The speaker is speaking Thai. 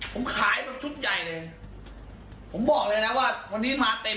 ผมขายแบบชุดใหญ่เลยผมบอกเลยนะว่าวันนี้มาเต็ม